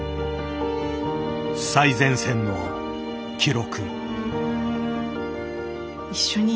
最前線の記録。